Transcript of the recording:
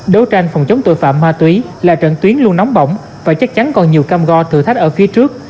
đấu tranh phòng chống tội phạm ma túy là trận tuyến luôn nóng bỏng và chắc chắn còn nhiều cam go thử thách ở phía trước